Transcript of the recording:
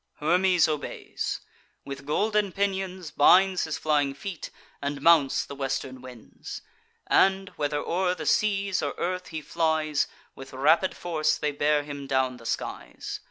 Hermes obeys; with golden pinions binds His flying feet, and mounts the western winds: And, whether o'er the seas or earth he flies, With rapid force they bear him down the skies.